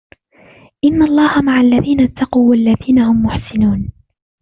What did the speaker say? إن الله مع الذين اتقوا والذين هم محسنون